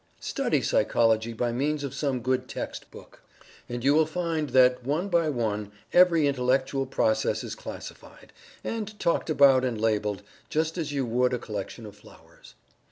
Study Psychology by means of some good text book, and you will find that one by one every intellectual process is classified, and talked about and labeled, just as you would a collection of flowers.